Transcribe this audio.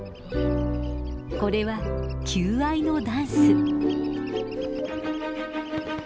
これは求愛のダンス。